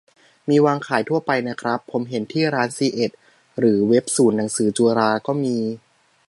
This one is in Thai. มีวางขายทั่วไปนะครับ ผมเห็นที่ร้านซีเอ็ด หรือเว็บศูนย์หนังสือจุฬาก็มี